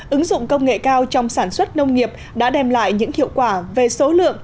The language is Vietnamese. ứng dụng công nghệ cao trong sản xuất nông nghiệp đã đem lại những hiệu quả về số lượng